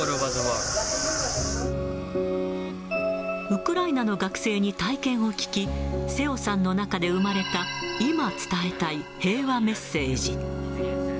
ウクライナの学生に体験を聞き、瀬尾さんの中で生まれた今伝えたい平和メッセージ。